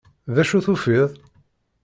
D acu tufiḍ?